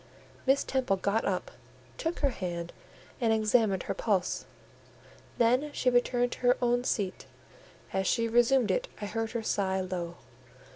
Miss Temple got up, took her hand and examined her pulse; then she returned to her own seat: as she resumed it, I heard her sigh low.